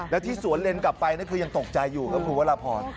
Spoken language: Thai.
และที่สวนเลนห์กลับไปยังตกใจอยู่ก็คือว่าระพล